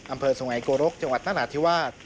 อำเภอสุงัยโกรกจังหวัดนราธิวาส